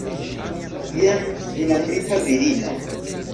Jen dinamita virino!